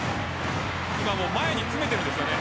今、前に詰めているんですよね。